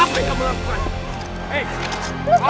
apa yang kamu lakukan